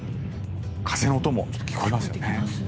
風の音も聞こえますよね。